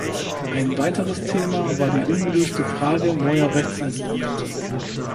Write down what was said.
Ein weiteres Thema war die ungelöste Frage neuer Rechtsinstrumente.